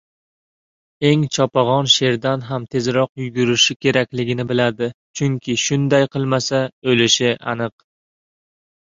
Eng chopagʻon sherdan ham tezroq yugurishi kerakligini biladi, chunki shunday qilmasa, oʻlishi aniq.